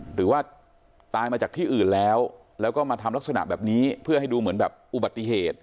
หรือว่าตายมาจากที่อื่นแล้วแล้วก็มาทำลักษณะแบบนี้เพื่อให้ดูเหมือนแบบอุบัติเหตุ